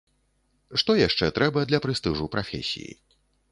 Што яшчэ трэба для прэстыжу прафесіі.